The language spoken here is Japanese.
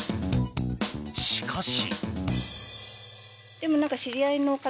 しかし。